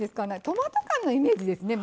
トマト缶のイメージですね。